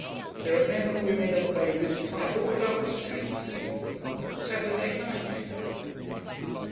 There are men and women and babies tight all about the streets this evening. Saturday night, you know....